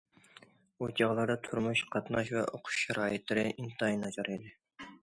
ئۇ چاغلاردا تۇرمۇش، قاتناش ۋە ئوقۇش شارائىتلىرى ئىنتايىن ناچار ئىدى.